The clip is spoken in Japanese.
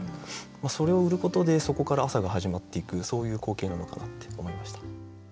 それを売ることでそこから朝が始まっていくそういう光景なのかなって思いました。